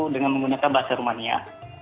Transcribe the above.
dengan menggunakan bahasa rumania